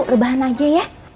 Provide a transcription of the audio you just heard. rebahan aja ya